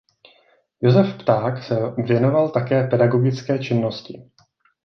Josef Pták se věnoval také pedagogické činnosti.